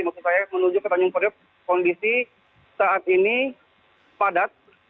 maksud saya menuju ke tanjung priok kondisi saat ini padat